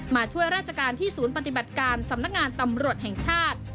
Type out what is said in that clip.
มาช่วยราชการที่ศูนย์ปฏิบัติการสำนักงานตำรวจแห่งชาติ